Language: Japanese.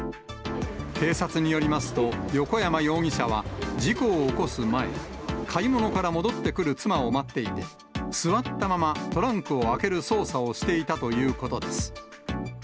警察によりますと、横山容疑者は、事故を起こす前、買い物から戻ってくる妻を待っていて、座ったまま、トランクを開ける操作をしていたということです。